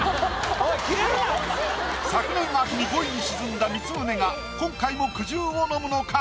・昨年秋に５位に沈んだ光宗が今回も苦汁を飲むのか？